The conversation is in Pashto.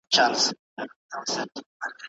که فرهنګي ارزښتونه هیر سي نو ټولنه بې لاري کیږي.